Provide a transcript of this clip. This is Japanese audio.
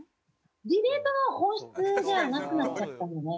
ディベートの本質ではなくなっちゃったのね。